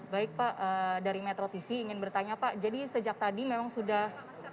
baik pak dari metro tv ingin bertanya pak jadi sejak tadi memang sudah